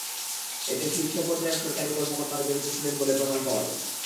এতে শীর্ষ পর্যায়ের সরকারি কর্মকর্তারা জড়িত ছিলেন বলে প্রমাণ পাওয়া যায়।